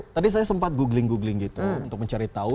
tadi saya sempat googling googling gitu untuk mencari tahu